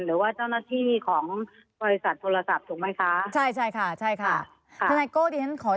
หรือว่าเจ้านักวิธีของบริษัทโทรศัพท์ถูกไหมคะ